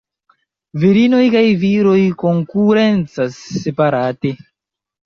Virinoj kaj viroj konkurencas separate.